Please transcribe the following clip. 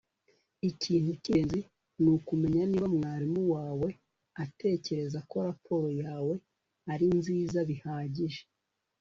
Ikintu cyingenzi nukumenya niba mwarimu wawe atekereza ko raporo yawe ari nziza bihagije